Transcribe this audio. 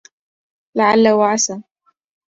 لعل وعسى